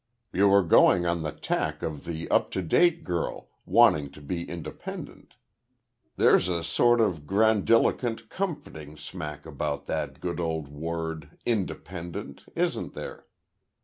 You are going on the tack of the up to date girl, wanting to be independent. There's a sort of grandiloquent, comforting smack about that good old word `independent,' isn't there?